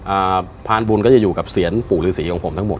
อ่าพานบุญก็จะอยู่กับเสียนปู่ฤษีของผมทั้งหมด